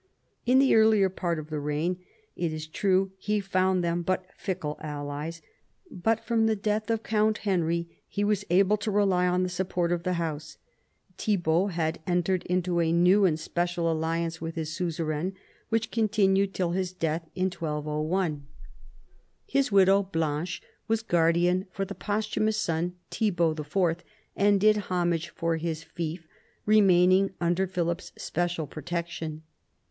In the earlier part of the reign, it is true, he found them but fickle allies ; but from the death of Count Henry he was able to rely on the support of the house. Thibault had entered into a new and special alliance with his suzerain, which continued till his death in 1201. 120 PHILIP AUGUSTUS ohap. His widow Blanche was guardian for the posthumous son, Thibault IV., and did homage for his fief, remain ing under Philip's especial protection.